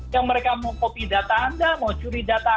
yang mereka mau copy data anda mau curi data anda